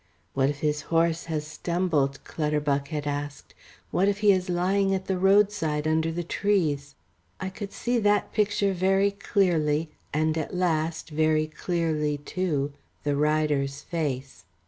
"What if his horse has stumbled?" Clutterbuck had asked. "What if he is lying at the roadside under the trees?" I could see that picture very clearly, and at last, very clearly too, the rider's face.